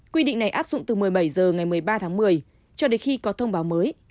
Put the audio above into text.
quy định này áp dụng từ một mươi bảy h ngày một mươi ba tháng một mươi cho đến khi có thông báo mới